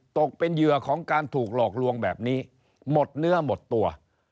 ตกเป็นเหยื่อของการถูกหลอกลวงแบบนี้หมดเนื้อหมดตัว